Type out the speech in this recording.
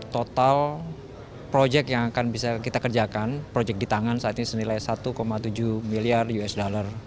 total proyek yang akan bisa kita kerjakan proyek di tangan saat ini senilai satu tujuh miliar usd